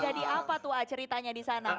jadi apa tuh a ceritanya di sana